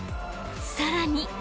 ［さらに］